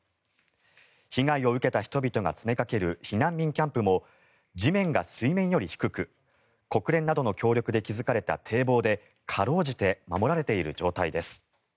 被害を受けた人々が詰めかける避難民キャンプも地面が水面より低く国連などの協力で築かれた堤防で辛うじて守られている状態です。